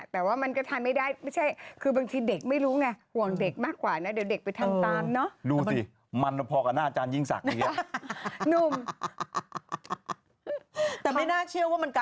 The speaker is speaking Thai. แต่ไม่น่าเชี่ยวว่ามันกลายเป็นเทรนจ์